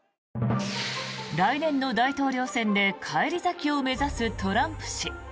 来年の大統領選で返り咲きを目指すトランプ氏。